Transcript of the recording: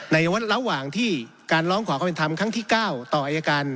ระหว่างที่การร้องขอความเป็นธรรมครั้งที่๙ต่ออายการ